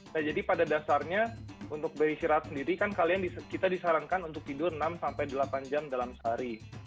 nah jadi pada dasarnya untuk beristirahat sendiri kan kita disarankan untuk tidur enam sampai delapan jam dalam sehari